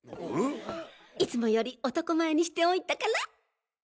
いつもより男前にしておいたからっ♥